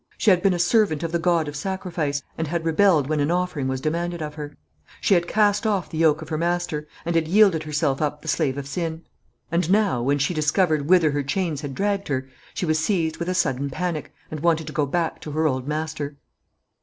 She had been a servant of the God of Sacrifice, and had rebelled when an offering was demanded of her. She had cast off the yoke of her Master, and had yielded herself up the slave of sin. And now, when she discovered whither her chains had dragged her, she was seized with a sudden panic, and wanted to go back to her old master.